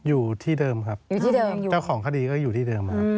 อยู่ที่เดิมครับเจ้าของคดีก็อยู่ที่เดิมครับ